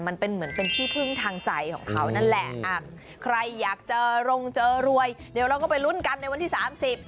มันเป็นเหมือนเป็นที่พึ่งทางใจของเขานั่นแหละอ่ะใครอยากเจอรงเจอรวยเดี๋ยวเราก็ไปลุ้นกันในวันที่สามสิบ